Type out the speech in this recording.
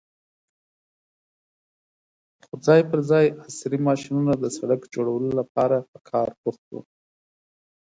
خو ځای پر ځای عصرې ماشينونه د سړک جوړولو لپاره په کار بوخت وو.